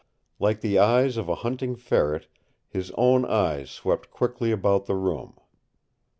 Like the eyes of a hunting ferret his own eyes swept quickly about the room.